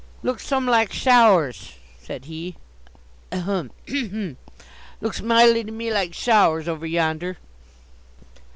"Looks some like showers," said he. "A hem! a hem! Looks mightily to me like showers, over yonder."